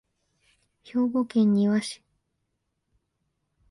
兵庫県丹波市